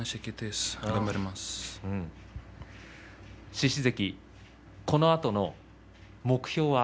獅司関、このあとの目標は？